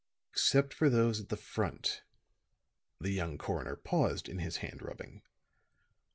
"Except for those at the front." The young coroner paused in his hand rubbing.